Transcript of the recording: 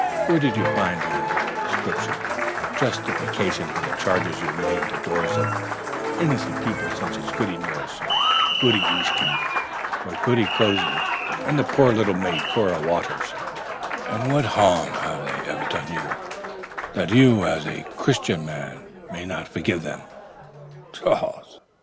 Where do you find in Scripture justification for the charges you lay at the doors of innocent people such as Goody Nurse, Goody Easty, Goody Cloyse and the poor little maid Cora Waters? What harm have they ever done you, that you, as a Christian man, might not forgive them?"